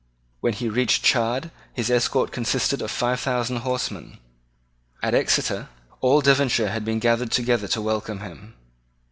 When he reached Chard his escort consisted of five thousand horsemen. At Exeter all Devonshire had been gathered together to welcome him.